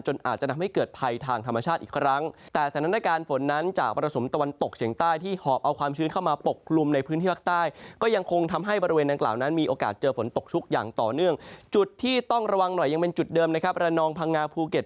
จนอาจจะทำให้เกิดภัยทางธรรมชาติอีกครั้ง